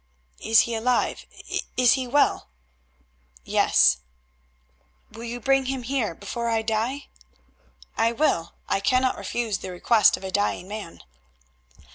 "Is he alive? Is he well?" "Yes." "Will you bring him here before I die?" "I will. I cannot refuse the request of a dying man."